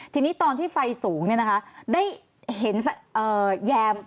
ทีนี้ตอนที่ไฟสูงเนี่ยนะคะได้เห็นแยม